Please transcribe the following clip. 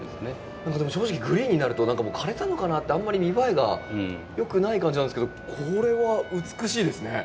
何かでも正直グリーンになるともう枯れたのかなってあんまり見栄えが良くない感じなんですけどこれは美しいですね。